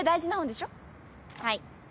はい。